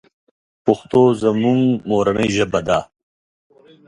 پښتو زمونږ مورنۍ ژبه ده.